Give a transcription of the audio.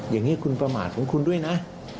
อย่างนี้คุณประมาทของคุณด้วยนะ